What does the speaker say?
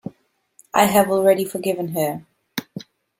I have already forgiven her.